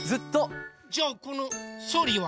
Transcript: じゃあこのソリは？